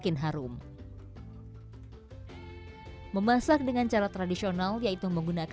iya yang ini satu udah